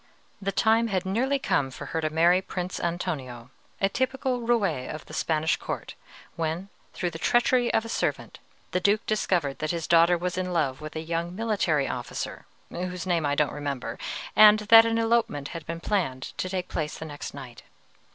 "The time had nearly come for her to marry Prince Antonio, a typical roué of the Spanish court, when, through the treachery of a servant, the Duke discovered that his daughter was in love with a young military officer whose name I don't remember, and that an elopement had been planned to take place the next night.